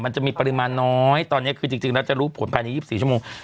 มันจะมีปริมาณน้อยตอนนี้คือจริงแล้วจะรู้ผลภายใน๒๔ชั่วโมง